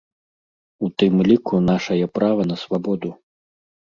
У тым ліку, нашае права на свабоду.